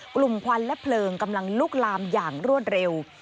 กลุ่มพันธุ์และเพลิงกำลังลุกลามอย่างรวดเร็ว